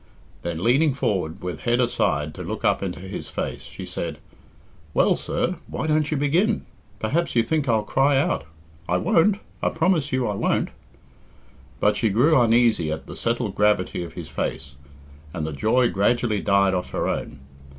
Then, leaning forward with head aside to look up into his face, she said, "Well, sir, why don't you begin? Perhaps you think I'll cry out. I won't I promise you I won't." But she grew uneasy at the settled gravity of his face, and the joy gradually died off her own.